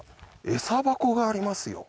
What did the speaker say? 餌箱がありますよ。